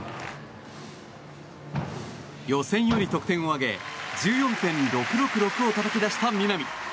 予選より得点を上げ１４．６６６をたたき出した南。